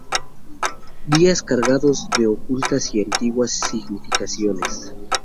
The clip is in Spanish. Días cargados de ocultas y antiguas significaciones.